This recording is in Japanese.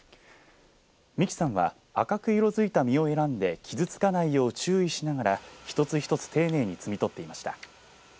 三木さんは赤く色づいた実を選んで傷つかないよう注意しながら一つ一つ丁寧に摘み取っていました。